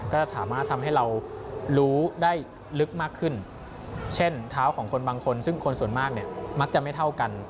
ก็จะสามารถทำให้เรารู้ได้ลึกมากขึ้นเช่นเท้าของคนบางคนซึ่งคนส่วนมากเนี่ยมักจะไม่เท่ากัน